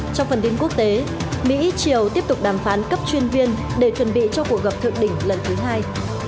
trong phần tin quốc tế mỹ triều tiếp tục đàm phán cấp chuyên viên để chuẩn bị cho cuộc gặp thượng đỉnh lần thứ hai